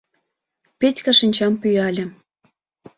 — Петька шинчам пӱяле.